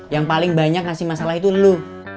yang paling banyak ngasih masalah itu lu